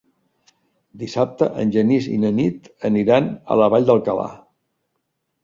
Dissabte en Genís i na Nit aniran a la Vall d'Alcalà.